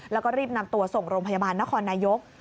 แล้วก็รีบนำตัวส่งโรงพยาบาลนครนายก